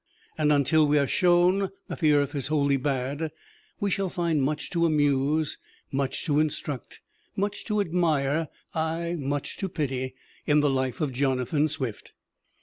And until we are shown that the earth is wholly bad, we shall find much to amuse, much to instruct, much to admire aye, much to pity in the life of Jonathan Swift.